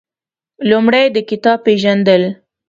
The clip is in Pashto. لومړی د کتاب پېژندل